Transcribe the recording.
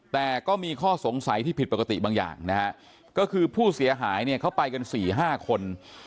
แต่ก็มีข้อสงสัยที่ผิดปกติบางอย่างนะฮะก็คือผู้เสียหายเนี่ยเขาไปกัน๔๕คน